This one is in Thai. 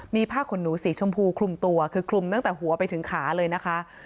มีผ้าขนหนูสีชมพูคลุมตัวคือคลุมตั้งแต่หัวไปถึงขาเลยนะคะ